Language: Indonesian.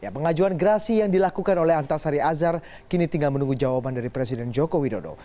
pengajuan gerasi yang dilakukan oleh antasari azhar kini tinggal menunggu jawaban dari presiden joko widodo